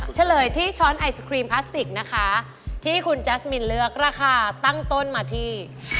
เฉลยที่ช้อนไอศครีมพลาสติกนะคะที่คุณแจ๊สมินเลือกราคาตั้งต้นมาที่